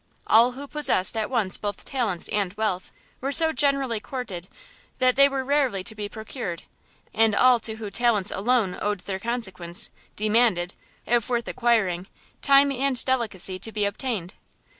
All who possessed at once both talents and wealth, were so generally courted they were rarely to be procured; and all who to talents alone owed their consequence, demanded, if worth acquiring, time and delicacy to be obtained.